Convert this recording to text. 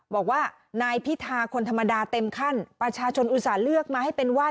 บอกว่านายพิธาคนธรรมดาเต็มขั้นประชาชนอุตส่าห์เลือกมาให้เป็นว่า